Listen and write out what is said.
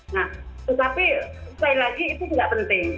nah tetapi sekali lagi itu tidak penting